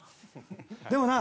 でもな